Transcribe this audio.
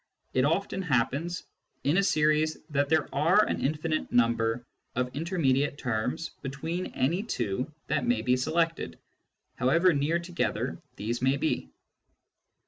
It often happens in a series that there are an infinite number of inter mediate terms between any two that, may be selected, however near together these may be.